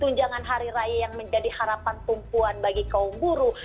tunjangan hari raya yang menjadi harapan tumpuan bagi kaum buruh